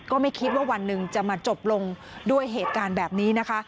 ก็ไม่คิดว่าวันหนึ่งจะมาจบลงด้วยเหตุการณ์แบบนี้นะคะ